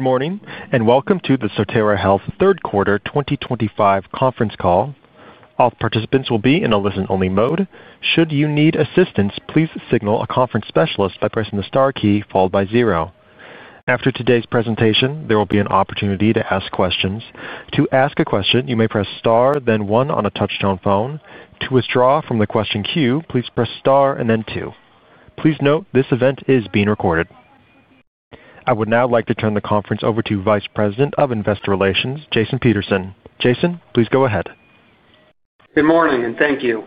Good morning and welcome to the Sotera Health third quarter 2025 conference call. All participants will be in a listen-only mode. Should you need assistance, please signal a conference specialist by pressing the star key followed by zero. After today's presentation, there will be an opportunity to ask questions. To ask a question, you may press star, then one on a touch-tone phone. To withdraw from the question queue, please press star and then two. Please note this event is being recorded. I would now like to turn the conference over to Vice President of Investor Relations, Jason Peterson. Jason, please go ahead. Good morning and thank you.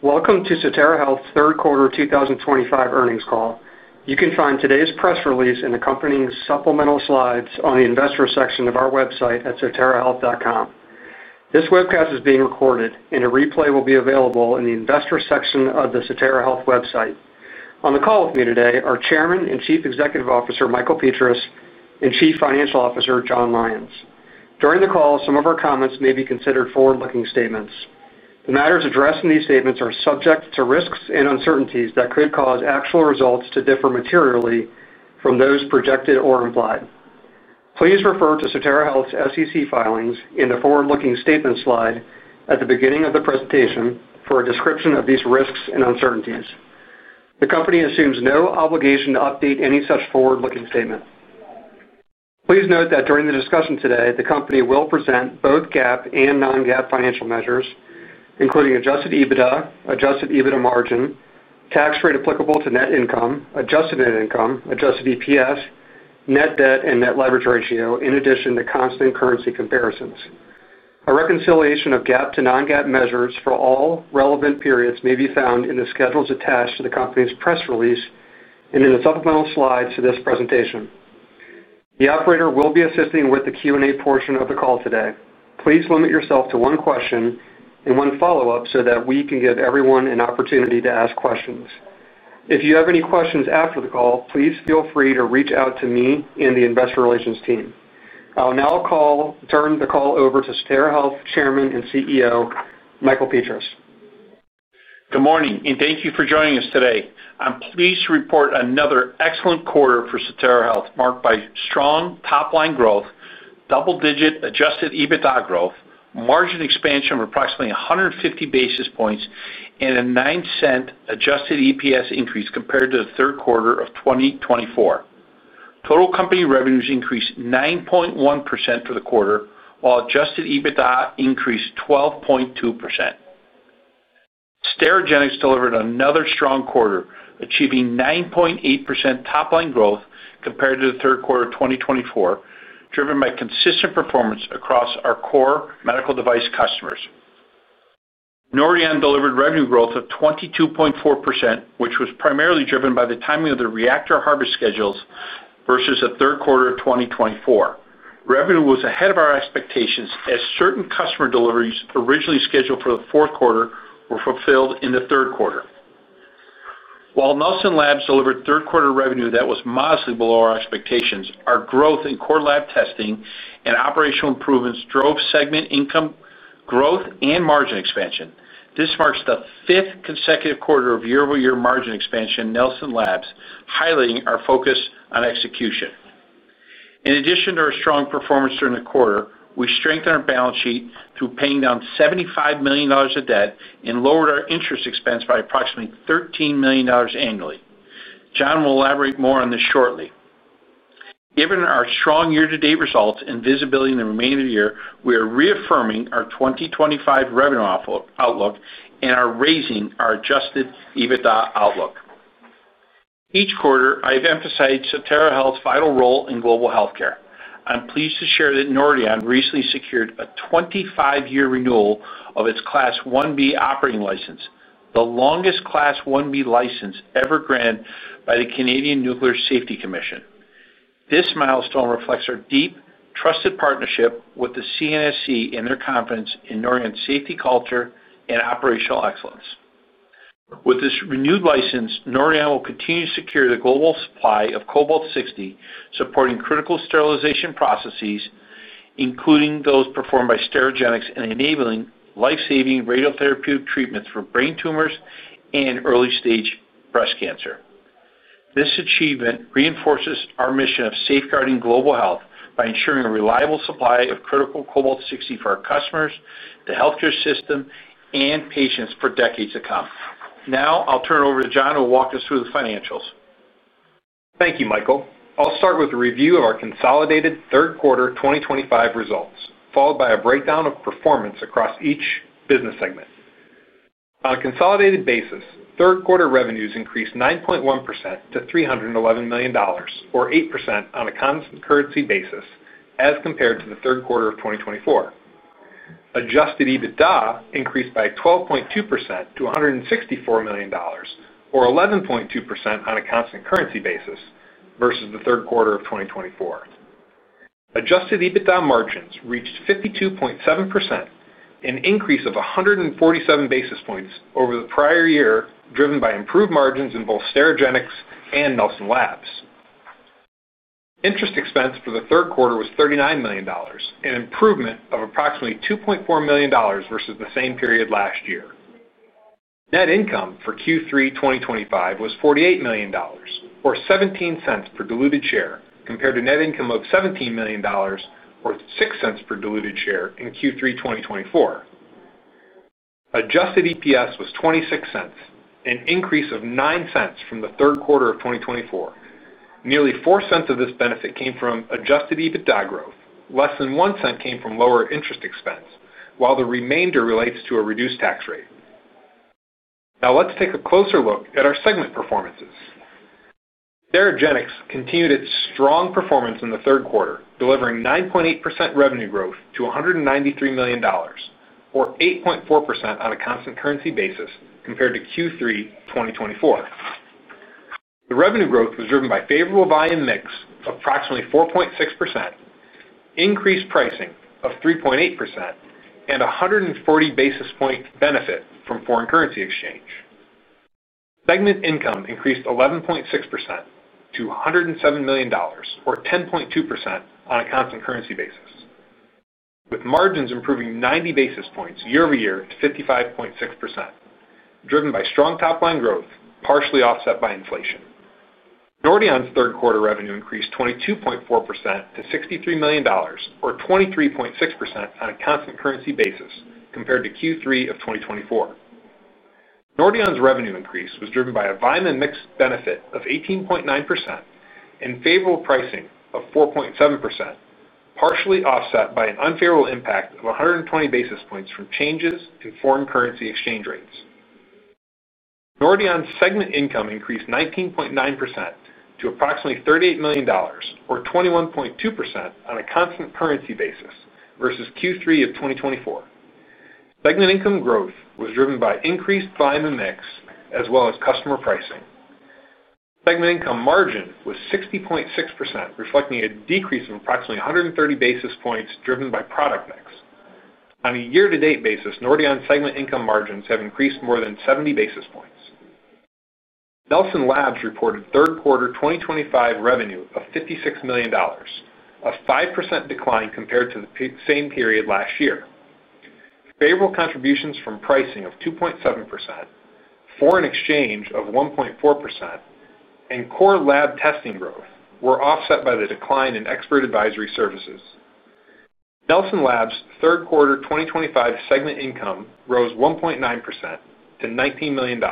Welcome to Sotera Health third quarter 2025 earnings call. You can find today's press release and accompanying supplemental slides on the investor section of our website at soterahealth.com. This webcast is being recorded, and a replay will be available in the investor section of the Sotera Health website. On the call with me today are Chairman and Chief Executive Officer Michael Petras and Chief Financial Officer Jon Lyons. During the call, some of our comments may be considered forward-looking statements. The matters addressed in these statements are subject to risks and uncertainties that could cause actual results to differ materially from those projected or implied. Please refer to Sotera Health's SEC filings in the forward-looking statements slide at the beginning of the presentation for a description of these risks and uncertainties. The company assumes no obligation to update any such forward-looking statement. Please note that during the discussion today, the company will present both GAAP and non-GAAP financial measures, including Adjusted EBITDA, Adjusted EBITDA margin, tax rate applicable to net income, adjusted net income, Adjusted EPS, net debt, and net leverage ratio, in addition to constant currency comparisons. A reconciliation of GAAP to non-GAAP measures for all relevant periods may be found in the schedules attached to the company's press release and in the supplemental slides to this presentation. The operator will be assisting with the Q&A portion of the call today. Please limit yourself to one question and one follow-up so that we can give everyone an opportunity to ask questions. If you have any questions after the call, please feel free to reach out to me and the Investor Relations team. I will now turn the call over to Sotera Health Chairman and CEO, Michael Petras. Good morning and thank you for joining us today. I'm pleased to report another excellent quarter for Sotera Health marked by strong top-line growth, double-digit adjusted EBITDA growth, margin expansion of approximately 150 basis points, and a $0.09 adjusted EPS increase compared to the third quarter of 2024. Total company revenues increased 9.1% for the quarter, while adjusted EBITDA increased 12.2%. Sterigenics delivered another strong quarter, achieving 9.8% top-line growth compared to the third quarter of 2024, driven by consistent performance across our core medical device customers. Nordion delivered revenue growth of 22.4%, which was primarily driven by the timing of the reactor harvest schedules versus the third quarter of 2024. Revenue was ahead of our expectations as certain customer deliveries originally scheduled for the fourth quarter were fulfilled in the third quarter. While Nelson Labs delivered third-quarter revenue that was modestly below our expectations, our growth in core lab testing and operational improvements drove segment income growth and margin expansion. This marks the fifth consecutive quarter of year-over-year margin expansion at Nelson Labs, highlighting our focus on execution. In addition to our strong performance during the quarter, we strengthened our balance sheet through paying down $75 million of debt and lowered our interest expense by approximately $13 million annually. Jon will elaborate more on this shortly. Given our strong year-to-date results and visibility in the remainder of the year, we are reaffirming our 2025 revenue outlook and are raising our adjusted EBITDA outlook. Each quarter, I have emphasized Sotera Health's vital role in global healthcare. I'm pleased to share that Nordion recently secured a 25-year renewal of its Class 1B operating license, the longest Class 1B license ever granted by the Canadian Nuclear Safety Commission. This milestone reflects our deep, trusted partnership with the CNSC and their confidence in Nordion's safety culture and operational excellence. With this renewed license, Nordion will continue to secure the global supply of Cobalt-60, supporting critical sterilization processes, including those performed by Sterigenics and enabling lifesaving radiotherapeutic treatments for brain tumors and early-stage breast cancer. This achievement reinforces our mission of safeguarding global health by ensuring a reliable supply of critical Cobalt-60 for our customers, the healthcare system, and patients for decades to come. Now, I'll turn it over to Jon who will walk us through the financials. Thank you, Michael. I'll start with a review of our consolidated third-quarter 2025 results, followed by a breakdown of performance across each business segment. On a consolidated basis, third-quarter revenues increased 9.1% to $311 million, or 8% on a constant currency basis, as compared to the third quarter of 2024. Adjusted EBITDA increased by 12.2% to $164 million, or 11.2% on a constant currency basis, versus the third quarter of 2024. Adjusted EBITDA margins reached 52.7%, an increase of 147 basis points over the prior year, driven by improved margins in both Sterigenics and Nelson Labs. Interest expense for the third quarter was $39 million, an improvement of approximately $2.4 million versus the same period last year. Net income for Q3 2025 was $48 million, or $0.17 per diluted share, compared to net income of $17 million, or $0.06 per diluted share in Q3 2024. Adjusted EPS was $0.26, an increase of $0.09 from the third quarter of 2024. Nearly $0.04 of this benefit came from adjusted EBITDA growth. Less than $0.01 came from lower interest expense, while the remainder relates to a reduced tax rate. Now, let's take a closer look at our segment performances. Sterigenics continued its strong performance in the third quarter, delivering 9.8% revenue growth to $193 million, or 8.4% on a constant currency basis, compared to Q3 2024. The revenue growth was driven by a favorable volume mix of approximately 4.6%, increased pricing of 3.8%, and 140 basis points benefit from foreign currency exchange. Segment income increased 11.6% to $107 million, or 10.2% on a constant currency basis. With margins improving 90 basis points year-over-year to 55.6%, driven by strong top-line growth partially offset by inflation. Nordion's third-quarter revenue increased 22.4% to $63 million, or 23.6% on a constant currency basis, compared to Q3 of 2024. Nordion's revenue increase was driven by a volume mix benefit of 18.9% and favorable pricing of 4.7%, partially offset by an unfavorable impact of 120 basis points from changes in foreign currency exchange rates. Nordion's segment income increased 19.9% to approximately $38 million, or 21.2% on a constant currency basis, versus Q3 of 2024. Segment income growth was driven by increased volume mix as well as customer pricing. Segment income margin was 60.6%, reflecting a decrease of approximately 130 basis points driven by product mix. On a year-to-date basis, Nordion's segment income margins have increased more than 70 basis points. Nelson Labs reported third-quarter 2025 revenue of $56 million, a 5% decline compared to the same period last year. Favorable contributions from pricing of 2.7%, foreign exchange of 1.4%, and core lab testing growth were offset by the decline in expert advisory services. Nelson Labs' third-quarter 2025 segment income rose 1.9% to $19 million.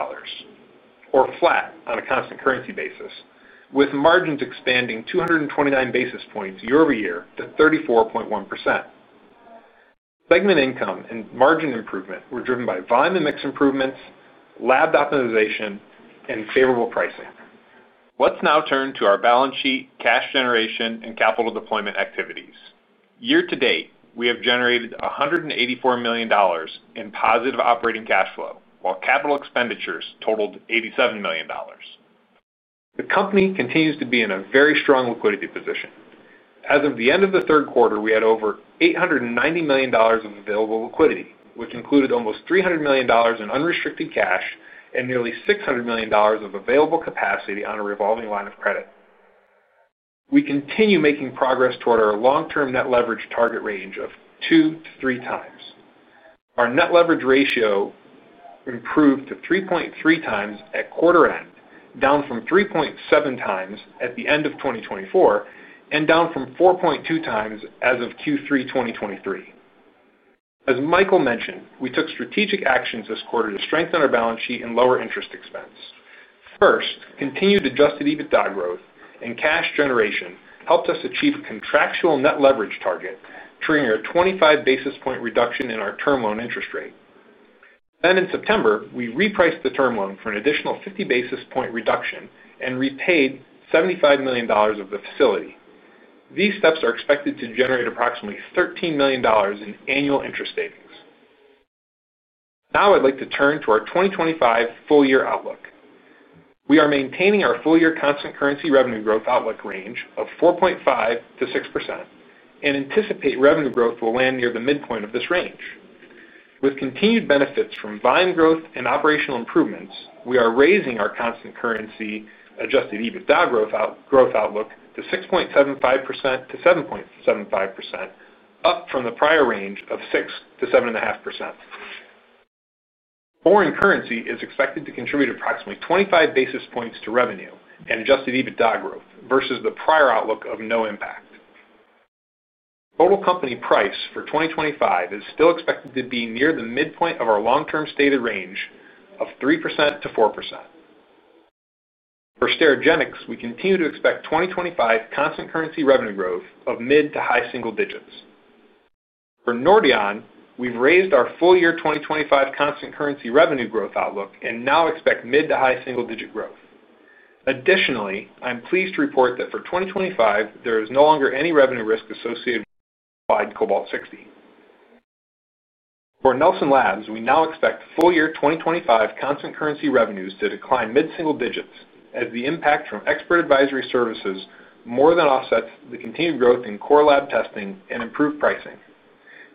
Or flat on a constant currency basis, with margins expanding 229 basis points year-over-year to 34.1%. Segment income and margin improvement were driven by volume mix improvements, lab optimization, and favorable pricing. Let's now turn to our balance sheet, cash generation, and capital deployment activities. Year-to-date, we have generated $184 million in positive operating cash flow, while capital expenditures totaled $87 million. The company continues to be in a very strong liquidity position. As of the end of the third quarter, we had over $890 million of available liquidity, which included almost $300 million in unrestricted cash and nearly $600 million of available capacity on a revolving line of credit. We continue making progress toward our long-term net leverage target range of 2x, 3x. Our net leverage ratio. Improved to 3.3x at quarter-end, down from 3.7x at the end of 2024, and down from 4.2x as of Q3 2023. As Michael mentioned, we took strategic actions this quarter to strengthen our balance sheet and lower interest expense. First, continued Adjusted EBITDA growth and cash generation helped us achieve a contractual net leverage target, triggering a 25 basis point reduction in our term loan interest rate. Then, in September, we repriced the term loan for an additional 50 basis point reduction and repaid $75 million of the facility. These steps are expected to generate approximately $13 million in annual interest savings. Now, I'd like to turn to our 2025 full-year outlook. We are maintaining our full-year constant currency revenue growth outlook range of 4.5%-6% and anticipate revenue growth will land near the midpoint of this range. With continued benefits from volume growth and operational improvements, we are raising our constant currency Adjusted EBITDA growth outlook to 6.75%-7.75%, up from the prior range of 6%-7.5%. Foreign currency is expected to contribute approximately 25 basis points to revenue and Adjusted EBITDA growth versus the prior outlook of no impact. Total company pricing for 2025 is still expected to be near the midpoint of our long-term stated range of 3%-4%. For Sterigenics, we continue to expect 2025 constant currency revenue growth of mid to high single digits. For Nordion, we've raised our full-year 2025 constant currency revenue growth outlook and now expect mid to high single-digit growth. Additionally, I'm pleased to report that for 2025, there is no longer any revenue risk associated with applied Cobalt-60. For Nelson Labs, we now expect full-year 2025 constant currency revenues to decline mid-single digits, as the impact from expert advisory services more than offsets the continued growth in core lab testing and improved pricing.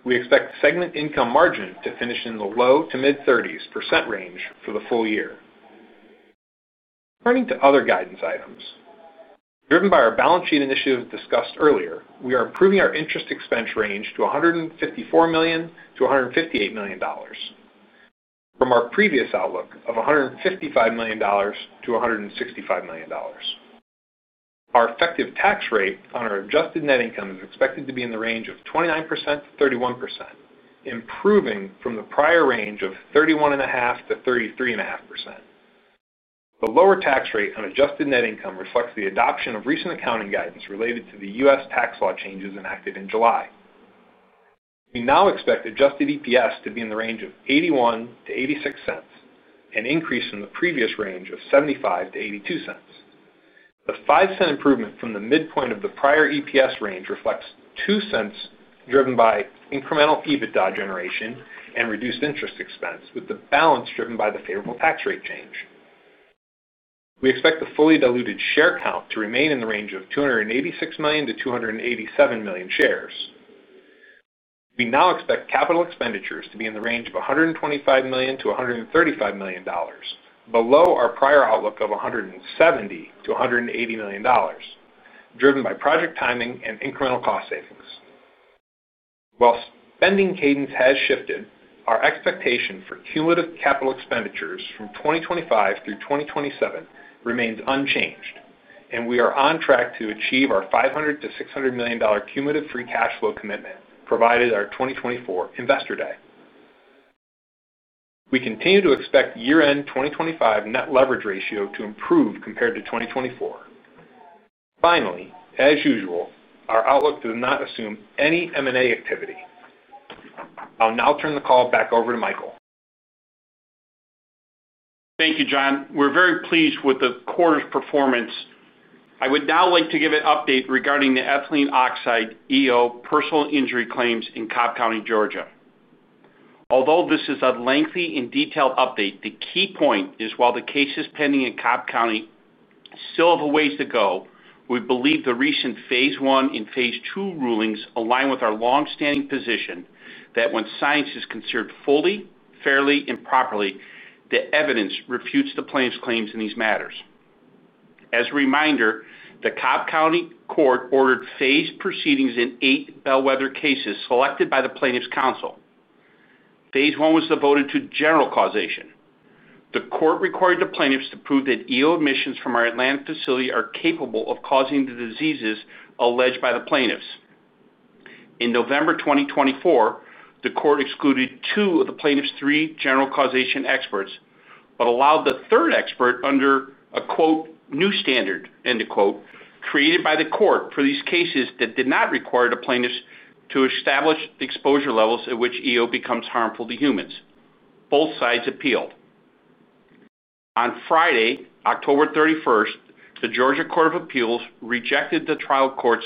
We expect segment income margin to finish in the low to mid-30s% range for the full year. Turning to other guidance items. Driven by our balance sheet initiatives discussed earlier, we are improving our interest expense range to $154 million-$158 million. From our previous outlook of $155 million-$165 million. Our effective tax rate on our adjusted net income is expected to be in the range of 29%-31%, improving from the prior range of 31.5%-33.5%. The lower tax rate on adjusted net income reflects the adoption of recent accounting guidance related to the U.S. tax law changes enacted in July. We now expect adjusted EPS to be in the range of $0.81-$0.86, an increase from the previous range of $0.75-$0.82. The $0.05 improvement from the midpoint of the prior EPS range reflects $0.02 driven by incremental EBITDA generation and reduced interest expense, with the balance driven by the favorable tax rate change. We expect the fully diluted share count to remain in the range of 286 million-287 million shares. We now expect capital expenditures to be in the range of $125 million-$135 million, below our prior outlook of $170 million-$180 million, driven by project timing and incremental cost savings. While spending cadence has shifted, our expectation for cumulative capital expenditures from 2025 through 2027 remains unchanged, and we are on track to achieve our $500 million-$600 million cumulative free cash flow commitment provided our 2024 Investor Day. We continue to expect year-end 2025 net leverage ratio to improve compared to 2024. Finally, as usual, our outlook does not assume any M&A activity. I'll now turn the call back over to Michael. Thank you, Jon. We're very pleased with the quarter's performance. I would now like to give an update regarding the ethylene oxide EO personal injury claims in Cobb County, Georgia. Although this is a lengthy and detailed update, the key point is, while the cases pending in Cobb County still have a ways to go, we believe the recent phase one and phase two rulings align with our longstanding position that when science is considered fully, fairly, and properly, the evidence refutes the plaintiffs' claims in these matters. As a reminder, the Cobb County Court ordered phased proceedings in eight bellwether cases selected by the plaintiffs' counsel. Phase one was devoted to general causation. The court required the plaintiffs to prove that EO emissions from our Atlanta facility are capable of causing the diseases alleged by the plaintiffs. In November 2024, the court excluded two of the plaintiffs' three general causation experts but allowed the third expert under a "new standard" created by the court for these cases that did not require the plaintiffs to establish the exposure levels at which EO becomes harmful to humans. Both sides appealed. On Friday, October 31st, the Georgia Court of Appeals rejected the trial court's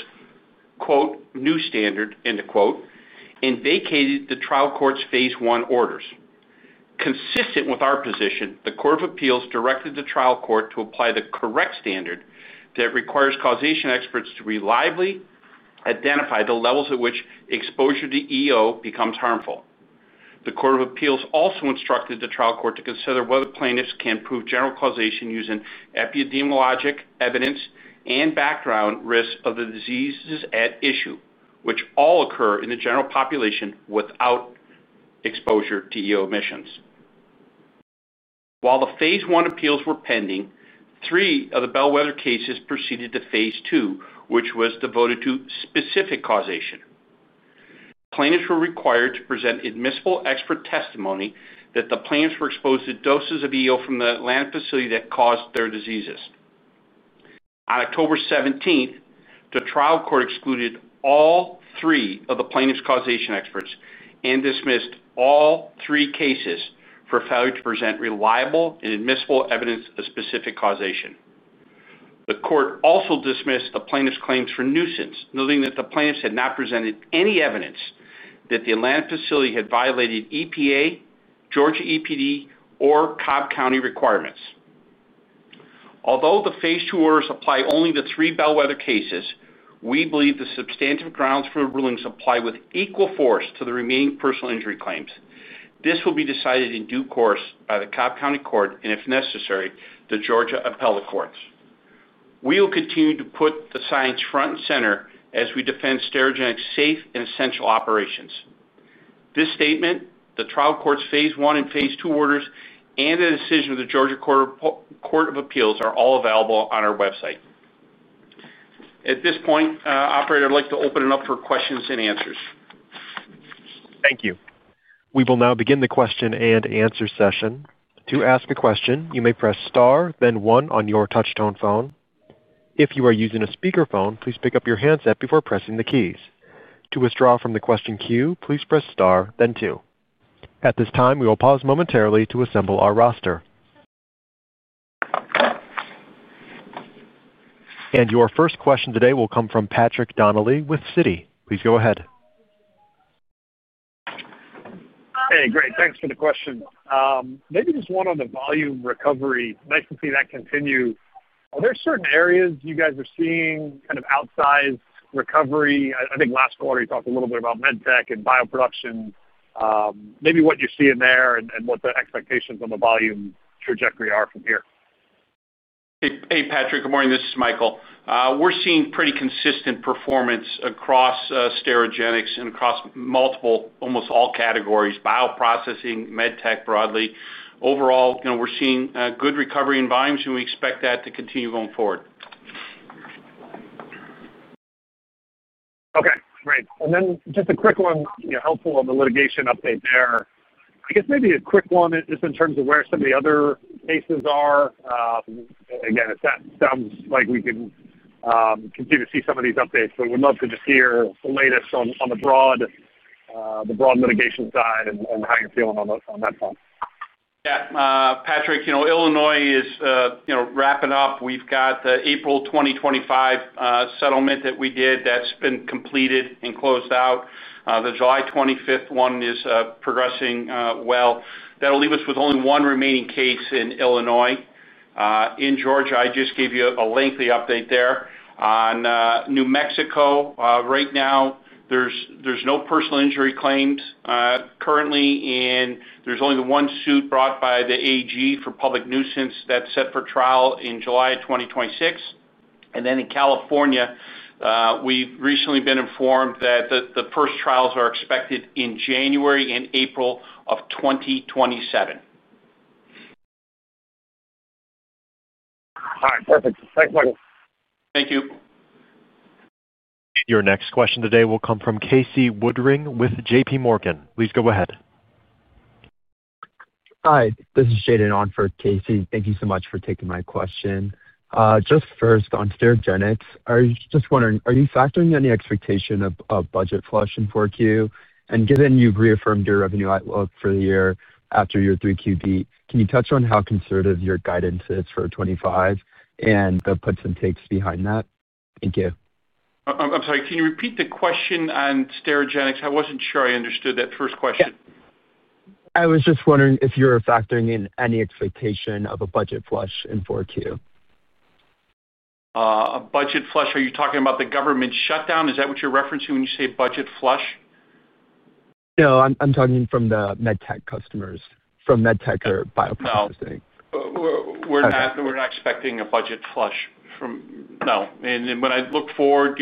"new standard" and vacated the trial court's phase one orders. Consistent with our position, the Court of Appeals directed the trial court to apply the correct standard that requires causation experts to reliably identify the levels at which exposure to EO becomes harmful. The Court of Appeals also instructed the trial court to consider whether plaintiffs can prove general causation using epidemiologic evidence and background risks of the diseases at issue, which all occur in the general population without exposure to EO emissions. While the phase one appeals were pending, three of the bellwether cases proceeded to phase two, which was devoted to specific causation. Plaintiffs were required to present admissible expert testimony that the plaintiffs were exposed to doses of EO from the Atlanta facility that caused their diseases. On October 17th, the trial court excluded all three of the plaintiffs' causation experts and dismissed all three cases for failure to present reliable and admissible evidence of specific causation. The court also dismissed the plaintiffs' claims for nuisance, noting that the plaintiffs had not presented any evidence that the Atlanta facility had violated EPA, Georgia EPD, or Cobb County requirements. Although the phase two orders apply only to three bellwether cases, we believe the substantive grounds for the rulings apply with equal force to the remaining personal injury claims. This will be decided in due course by the Cobb County Court and, if necessary, the Georgia appellate courts. We will continue to put the science front and center as we defend Sterigenics' safe and essential operations. This statement, the trial court's phase one and phase two orders, and the decision of the Georgia Court of Appeals are all available on our website. At this point, Operator, I'd like to open it up for questions-and-answers. Thank you. We will now begin the question-and-answer session. To ask a question, you may press star, then one on your touch-tone phone. If you are using a speakerphone, please pick up your handset before pressing the keys. To withdraw from the question queue, please press star, then two. At this time, we will pause momentarily to assemble our roster. And your first question today will come from Patrick Donnelly with Citi. Please go ahead. Hey, great. Thanks for the question. Maybe just one on the volume recovery. Nice to see that continue. Are there certain areas you guys are seeing kind of outsized recovery? I think last quarter, you talked a little bit about med tech and bio production. Maybe what you're seeing there and what the expectations on the volume trajectory are from here. Hey, Patrick. Good morning. This is Michael. We're seeing pretty consistent performance across Sterigenics and across multiple, almost all categories: bioprocessing, med tech broadly. Overall, we're seeing good recovery in volumes, and we expect that to continue going forward. Okay. Great. And then just a quick one, helpful on the litigation update there. I guess maybe a quick one is in terms of where some of the other cases are. Again, it sounds like we can continue to see some of these updates, but we'd love to just hear the latest on the broader litigation side and how you're feeling on that front. Yeah. Patrick, Illinois is wrapping up. We've got the April 2025 settlement that we did that's been completed and closed out. The July 2025 one is progressing well. That'll leave us with only one remaining case in Illinois. In Georgia, I just gave you a lengthy update there, on New Mexico right now, there's no personal injury claims currently, and there's only the one suit brought by the AG for public nuisance that's set for trial in July 2026. And then in California, we've recently been informed that the first trials are expected in January and April of 2027. All right. Perfect. Thanks, Michael. Thank you. Your next question today will come from Casey Woodring with JPMorgan. Please go ahead. Hi. This is Jaden on Casey. Thank you so much for taking my question. Just first, on Sterigenics, I was just wondering, are you factoring any expectation of budget flush in 4Q? And given you've reaffirmed your revenue outlook for the year after your 3Q beat, can you touch on how conservative your guidance is for 2025 and the puts and takes behind that? Thank you. I'm sorry. Can you repeat the question on Sterigenics? I wasn't sure I understood that first question. I was just wondering if you're factoring in any expectation of a budget flush in 4Q? A budget flush, are you talking about the government shutdown? Is that what you're referencing when you say budget flush? No, I'm talking from the med-tech customers, from med-tech or bioprocessing. We're not expecting a budget flush from now, and when I look forward,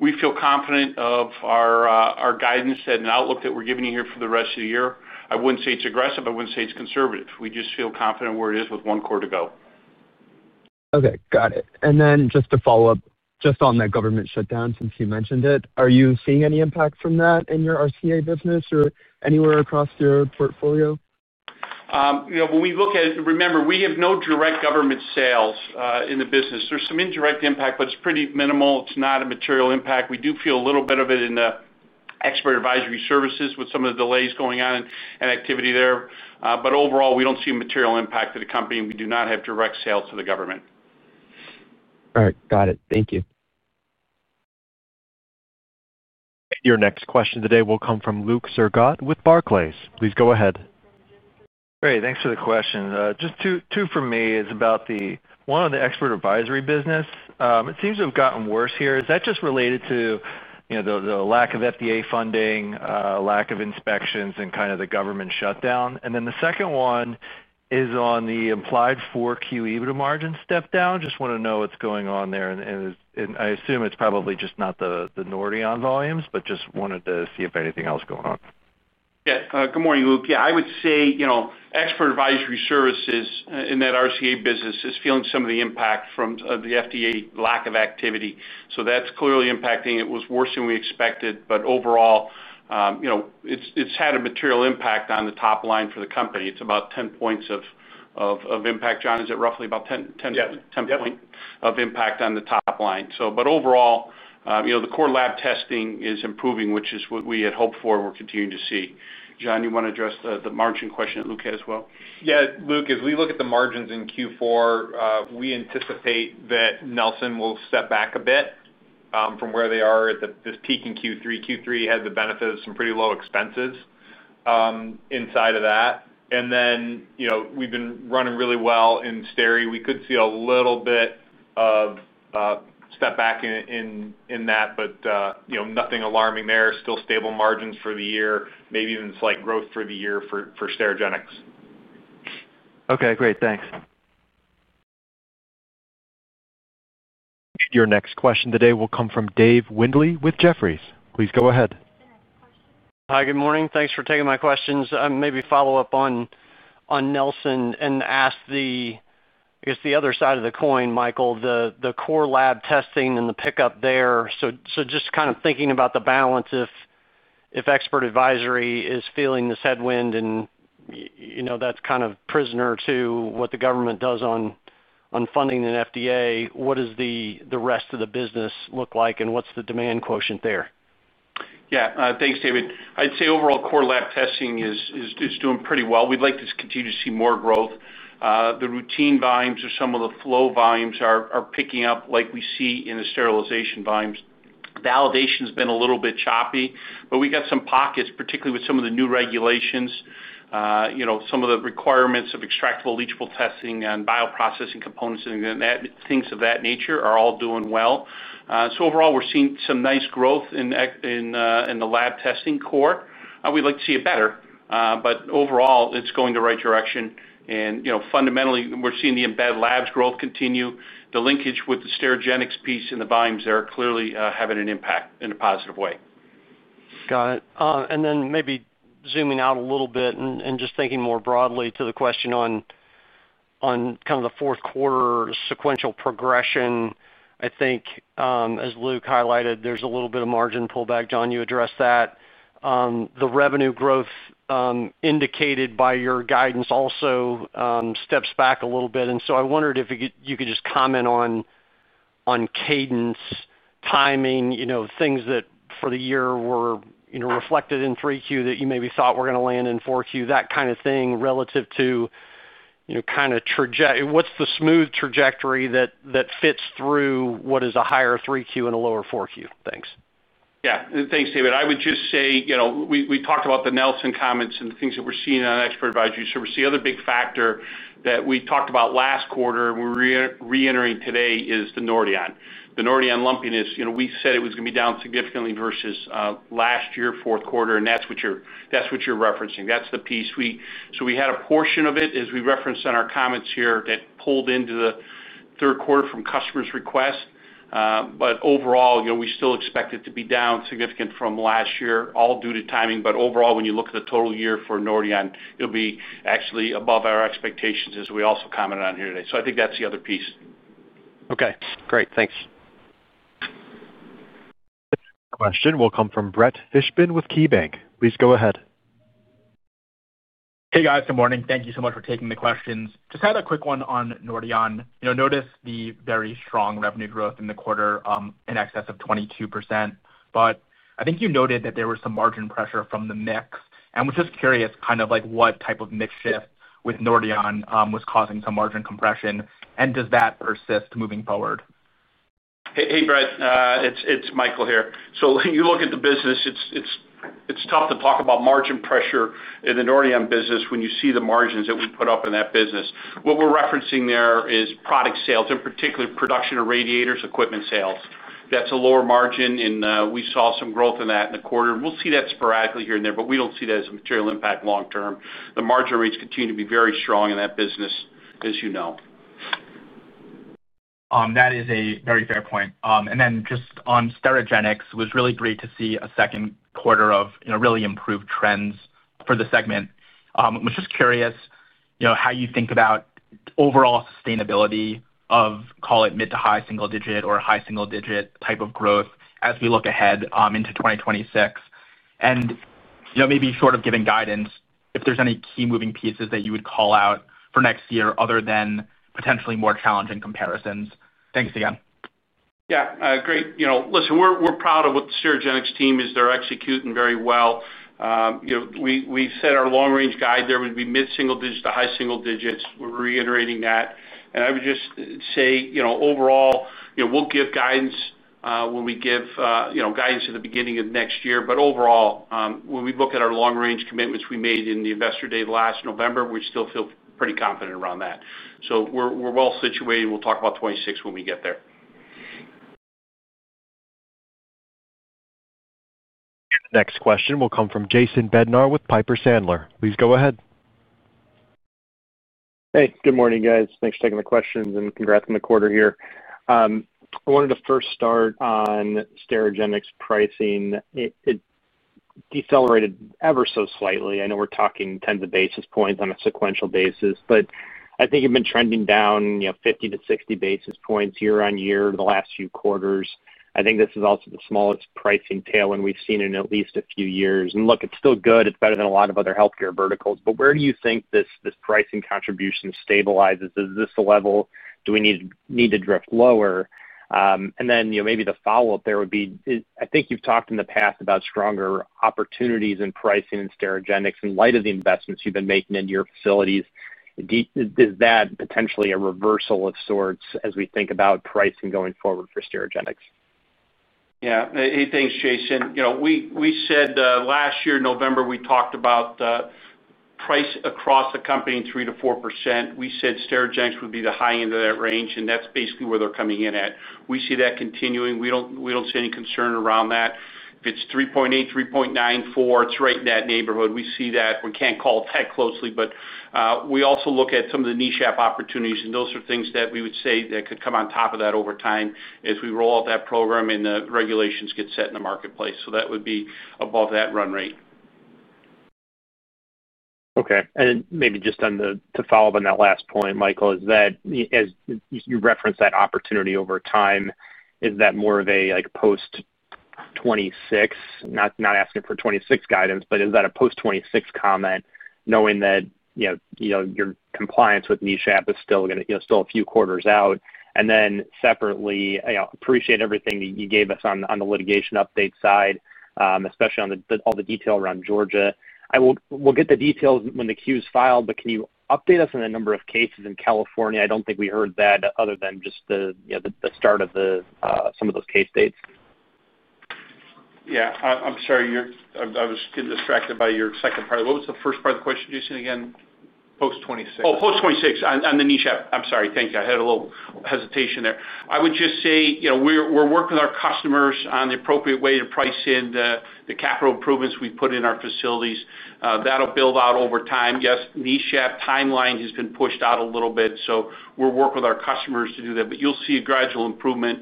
we feel confident of our guidance and outlook that we're giving you here for the rest of the year. I wouldn't say it's aggressive. I wouldn't say it's conservative. We just feel confident where it is with one quarter to go. Okay. Got it. And then just to follow up, just on that government shutdown, since you mentioned it, are you seeing any impact from that in your RCA business or anywhere across your portfolio? When we look at remember, we have no direct government sales in the business. There's some indirect impact, but it's pretty minimal. It's not a material impact. We do feel a little bit of it in the expert advisory services with some of the delays going on and activity there. But overall, we don't see a material impact to the company. We do not have direct sales to the government. All right. Got it. Thank you. Your next question today will come from Luke Sergott with Barclays. Please go ahead. Great. Thanks for the question. Just two for me. One on the expert advisory business. It seems to have gotten worse here. Is that just related to the lack of FDA funding, lack of inspections, and kind of the government shutdown? And then the second one is on the implied 4Q EBITDA margin step-down. Just want to know what's going on there. And I assume it's probably just not the Nordion volumes, but just wanted to see if anything else is going on. Yeah. Good morning, Luke. Yeah, I would say expert advisory services in that RCA business is feeling some of the impact from the FDA lack of activity. So that's clearly impacting. It was worse than we expected but overall, it's had a material impact on the top line for the company. It's about 10 points of impact. Jon, is it roughly about 10 points of impact on the top line? But overall, the core lab testing is improving, which is what we had hoped for. We're continuing to see. Jon, you want to address the margin question to Luke as well? Yeah. Luke, as we look at the margins in Q4, we anticipate that Nelson will step back a bit from where they are at this peak in Q3. Q3 had the benefit of some pretty low expenses inside of that. And then we've been running really well in Steri. We could see a little bit of step back in that, but nothing alarming there. Still stable margins for the year, maybe even slight growth for the year for Sterigenics. Okay. Great. Thanks. Your next question today will come from Dave Windley with Jefferies. Please go ahead. Hi. Good morning. Thanks for taking my questions. Maybe follow up on Nelson and ask the, I guess, the other side of the coin, Michael, the core lab testing and the pickup there. So just kind of thinking about the balance. If expert advisory is feeling this headwind and that's kind of prisoner to what the government does on funding and FDA, what does the rest of the business look like and what's the demand quotient there? Yeah. Thanks, David. I'd say overall, core lab testing is doing pretty well. We'd like to continue to see more growth. The routine volumes or some of the flow volumes are picking up like we see in the sterilization volumes. Validation has been a little bit choppy, but we got some pockets, particularly with some of the new regulations. Some of the requirements of extractable leachable testing and bioprocessing components and things of that nature are all doing well. So overall, we're seeing some nice growth in the lab testing core. We'd like to see it better. But overall, it's going the right direction, and fundamentally, we're seeing the embedded labs growth continue. The linkage with the Sterigenics piece and the volumes there are clearly having an impact in a positive way. Got it. And then maybe zooming out a little bit and just thinking more broadly to the question on kind of the fourth quarter sequential progression, I think. As Luke highlighted, there's a little bit of margin pullback. Jon, you addressed that. The revenue growth indicated by your guidance also steps back a little bit. And so I wondered if you could just comment on cadence, timing, things that for the year were reflected in 3Q that you maybe thought were going to land in 4Q, that kind of thing relative to kind of what's the smooth trajectory that fits through what is a higher 3Q and a lower 4Q? Thanks. Yeah. Thanks, Dave. I would just say. We talked about the Nelson comments and the things that we're seeing on expert advisory service. The other big factor that we talked about last quarter and we're reiterating today is the Nordion. The Nordion lumpiness, we said it was going to be down significantly versus last year, fourth quarter, and that's what you're referencing. That's the piece. So we had a portion of it, as we referenced in our comments here, that pulled into the third quarter from customers' request. But overall, we still expect it to be down significantly from last year, all due to timing. But overall, when you look at the total year for Nordion, it'll be actually above our expectations, as we also commented on here today. So I think that's the other piece. Okay. Great. Thanks. Question will come from Brett Fishbin with KeyBanc. Please go ahead. Hey, guys. Good morning. Thank you so much for taking the questions. Just had a quick one on Nordion. Noticed the very strong revenue growth in the quarter in excess of 22%. But I think you noted that there was some margin pressure from the mix. And was just curious kind of what type of mixture with Nordion was causing some margin compression. And does that persist moving forward? Hey, Brett. It's Michael here. So you look at the business, it's tough to talk about margin pressure in the Nordion business when you see the margins that we put up in that business. What we're referencing there is product sales, in particular, production of irradiators, equipment sales. That's a lower margin, and we saw some growth in that in the quarter. We'll see that sporadically here and there, but we don't see that as a material impact long term. The margin rates continue to be very strong in that business, as you know. That is a very fair point. And then just on Sterigenics, it was really great to see a second quarter of really improved trends for the segment. I was just curious how you think about overall sustainability of, call it mid- to high-single-digit or high-single-digit type of growth as we look ahead into 2026. And maybe short of giving guidance, if there's any key moving pieces that you would call out for next year other than potentially more challenging comparisons. Thanks again. Yeah. Great. Listen, we're proud of what the Sterigenics team is. They're executing very well. We said our long-range guide there would be mid single digit to high single digits. We're reiterating that. And I would just say overall, we'll give guidance when we give guidance at the beginning of next year. But overall, when we look at our long-range commitments we made in the investor day last November, we still feel pretty confident around that. So we're well situated. We'll talk about 2026 when we get there. Next question will come from Jason Bednar with Piper Sandler. Please go ahead. Hey. Good morning, guys. Thanks for taking the questions and congrats on the quarter here. I wanted to first start on Sterigenics pricing. It decelerated ever so slightly. I know we're talking tens of basis points on a sequential basis, but I think it's been trending down 50 basis points-60 basis points year-on-year in the last few quarters. I think this is also the smallest pricing tailwind we've seen in at least a few years, and look, it's still good. It's better than a lot of other healthcare verticals, but where do you think this pricing contribution stabilizes? Is this the level? Do we need to drift lower, and then maybe the follow-up there would be, I think you've talked in the past about stronger opportunities in pricing in Sterigenics in light of the investments you've been making into your facilities. Is that potentially a reversal of sorts as we think about pricing going forward for Sterigenics? Yeah. Hey, thanks, Jason. We said last year, November, we talked about. Pricing across the company 3%-4%. We said Sterigenics would be the high end of that range, and that's basically where they're coming in at. We see that continuing. We don't see any concern around that. If it's 3.8, 3.9, 4, it's right in that neighborhood. We see that. We can't call it that closely, but we also look at some of the niche app opportunities, and those are things that we would say that could come on top of that over time as we roll out that program and the regulations get set in the marketplace. So that would be above that run rate. Okay. And maybe just to follow up on that last point, Michael, is that. You referenced that opportunity over time, is that more of a post '26? Not asking for '26 guidance, but is that a post '26 comment, knowing that your compliance with NESHAP is still a few quarters out? And then separately, I appreciate everything that you gave us on the litigation update side, especially on all the detail around Georgia. We'll get the details when the Q is filed, but can you update us on the number of cases in California? I don't think we heard that other than just the start of some of those case dates. Yeah. I'm sorry. I was getting distracted by your second part. What was the first part of the question? Jason, again? Post-2026. Oh, post-2026 on the Nordion. I'm sorry. Thank you. I had a little hesitation there. I would just say. We're working with our customers on the appropriate way to price in the capital improvements we put in our facilities. That'll build out over time. Yes, Nordion timeline has been pushed out a little bit. So we're working with our customers to do that. But you'll see a gradual improvement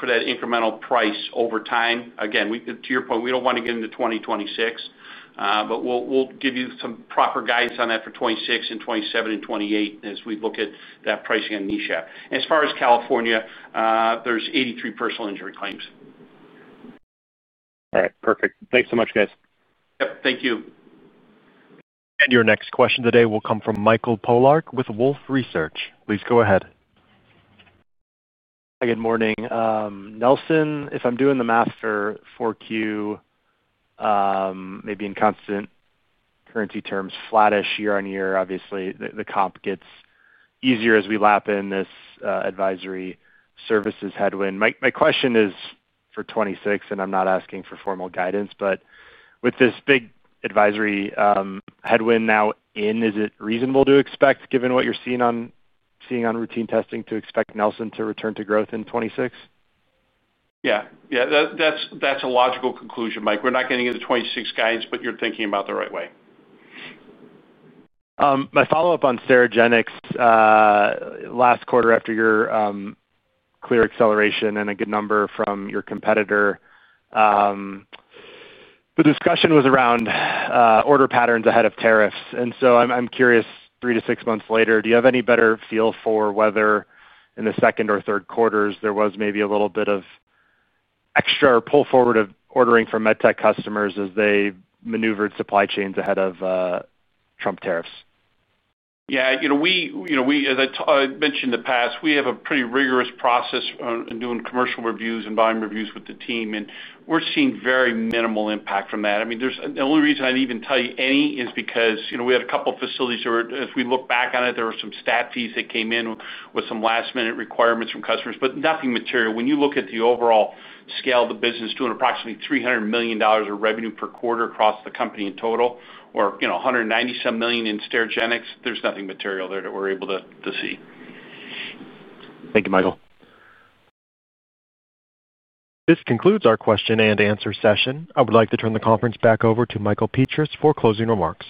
for that incremental price over time. Again, to your point, we don't want to get into 2026. But we'll give you some proper guidance on that for 2026 and 2027 and 2028 as we look at that pricing and Nordion. As far as California, there's 83 personal injury claims. All right. Perfect. Thanks so much, guys. Yep. Thank you. Your next question today will come from Michael Polark with Wolfe Research. Please go ahead. Hi. Good morning. Nelson, if I'm doing the math for 4Q. Maybe in constant currency terms, flattish year-on-year, obviously, the comp gets easier as we lap in this advisory services headwind. My question is for 2026, and I'm not asking for formal guidance, but with this big advisory headwind now in, is it reasonable to expect, given what you're seeing on routine testing, to expect Nelson to return to growth in 2026? Yeah. Yeah. That's a logical conclusion, Mike. We're not getting into 2026 guidance, but you're thinking about the right way. My follow-up on Sterigenics. Last quarter after your clear acceleration and a good number from your competitor. The discussion was around order patterns ahead of tariffs. And so I'm curious, three to six months later, do you have any better feel for whether in the second or third quarters there was maybe a little bit of extra pull forward of ordering from med tech customers as they maneuvered supply chains ahead of Trump tariffs? Yeah. As I mentioned in the past, we have a pretty rigorous process in doing commercial reviews and buying reviews with the team, and we're seeing very minimal impact from that. I mean, the only reason I'd even tell you any is because we had a couple of facilities that were, as we look back on it, there were some stat fees that came in with some last-minute requirements from customers, but nothing material. When you look at the overall scale of the business, doing approximately $300 million of revenue per quarter across the company in total, or 190-some million in Sterigenics, there's nothing material there that we're able to see. Thank you, Michael. This concludes our question and answer session. I would like to turn the conference back over to Michael Petras for closing remarks.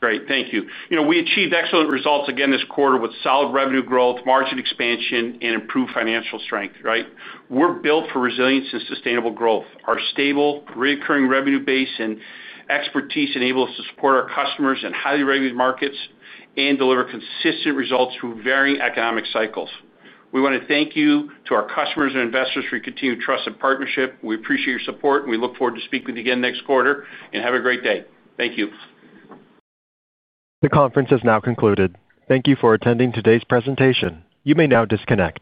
Great. Thank you. We achieved excellent results again this quarter with solid revenue growth, margin expansion, and improved financial strength, right? We're built for resilience and sustainable growth. Our stable, recurring revenue base and expertise enable us to support our customers in highly regulated markets and deliver consistent results through varying economic cycles. We want to thank you to our customers and investors for your continued trust and partnership. We appreciate your support, and we look forward to speaking with you again next quarter. Have a great day. Thank you. The conference is now concluded. Thank you for attending today's presentation. You may now disconnect.